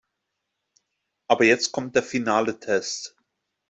Aber jetzt kommt der finale Test.